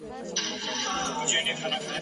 نړوي چي مدرسې د واسکټونو !.